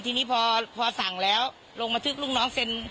ทีนี้พอสั่งแล้วลงบันทึกลูกน้องเซ็น